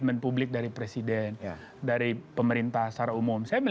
kan dalam bingkai konteks keseluruhan pernyataan ahok sama sekali tidak berintensi menyerang